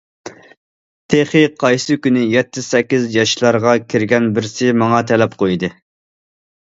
تېخى قايسى كۈنى يەتتە- سەككىز ياشلارغا كىرگەن بىرسى ماڭا تەلەپ قويدى.